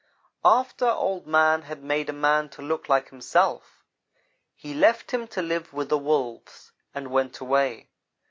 "After Old man had made a man to look like himself, he left him to live with the Wolves, and went away.